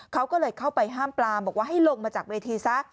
เขาก็เลยเข้าไปห้ามปลามบอกว่าให้ลงมาจากเวทีซะ